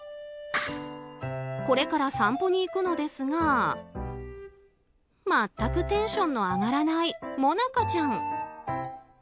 これから散歩に行くのですが全くテンションの上がらないモナカちゃん。